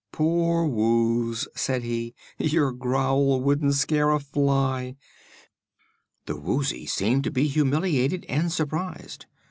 "Poor Wooz!" said he; "your growl wouldn't scare a fly." The Woozy seemed to be humiliated and surprised.